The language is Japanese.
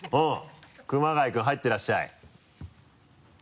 熊谷君入っていらっしゃい。